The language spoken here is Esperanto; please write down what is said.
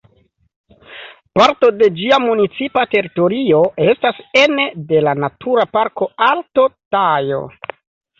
Parto de ĝia municipa teritorio estas ene de la Natura Parko Alto Tajo.